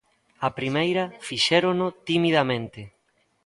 A primeira fixérono timidamente.